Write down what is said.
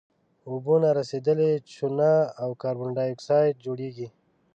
اوبه نارسیدلې چونه او کاربن ډای اکسایډ جوړیږي.